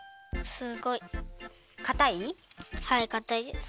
はいかたいです。